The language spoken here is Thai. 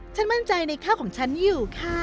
มั่นใจในข้าวของฉันอยู่ค่ะ